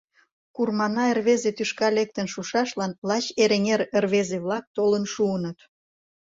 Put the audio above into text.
Курманай рвезе тӱшка лектын шушашлан лач Эреҥер рвезе-влак толын шуыныт...